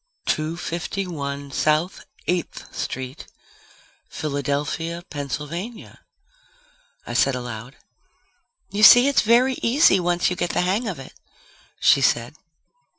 "Two fifty one South Eighth Street, Philadelphia, Pennsylvania," I said aloud. "You see, it's very easy once you get the hang of it," she said.